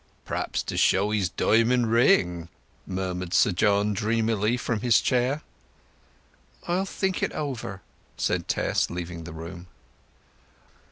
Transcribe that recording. "Perhaps to show his diamond ring," murmured Sir John, dreamily, from his chair. "I'll think it over," said Tess, leaving the room.